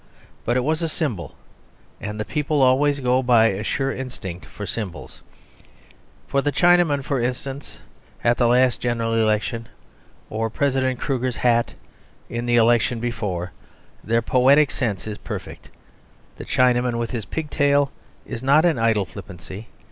But it was a symbol, and the people always go by a sure instinct for symbols; for the Chinaman, for instance, at the last General Election, or for President Kruger's hat in the election before; their poetic sense is perfect. The Chinaman with his pigtail is not an idle flippancy.